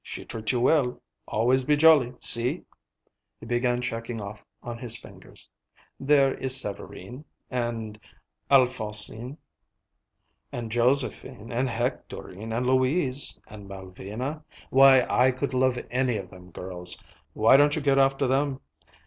She treat you well; always be jolly. See,"—he began checking off on his fingers,—"there is Sévérine, and Alphosen, and Joséphine, and Hectorine, and Louise, and Malvina—why, I could love any of them girls! Why don't you get after them?